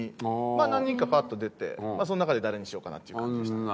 何人かパッと出てその中で誰にしようかな？っていう感じでした。